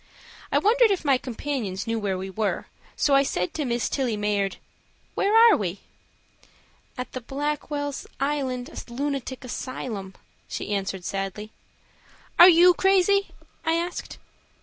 I wondered if my companions knew where we were, so I said to Miss Tillie Mayard: "Where are we?" "At the Blackwell's Island Lunatic Asylum," she answered, sadly. "Are you crazy?" I asked.